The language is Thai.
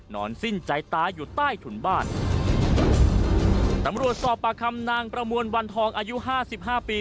นอนสิ้นใจตายอยู่ใต้ถุนบ้านตำรวจสอบปากคำนางประมวลวันทองอายุห้าสิบห้าปี